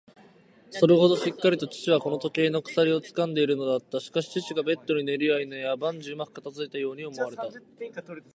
それほどしっかりと父はこの時計の鎖をつかんでいるのだった。しかし、父がベッドに寝るやいなや、万事うまく片づいたように思われた。